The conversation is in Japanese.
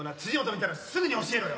見たらすぐに教えろよ。